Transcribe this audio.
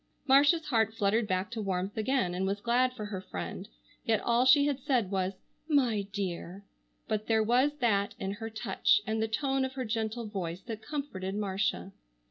Marcia's heart fluttered back to warmth again and was glad for her friend, yet all she had said was: "My dear!" but there was that in her touch and the tone of her gentle voice that comforted Marcia.